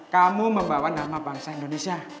kamu membawa nama bangsa indonesia